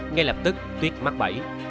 ngay lập tức tuyết mắc bẫy